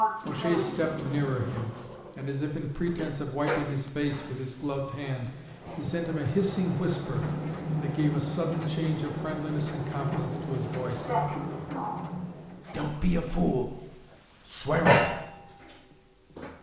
O'Shea stepped nearer him, and, as if in pretence of wiping his face with his gloved hand, he sent him a hissing whisper that gave a sudden change of friendliness and confidence to his voice, "Don't be a fool! swear it."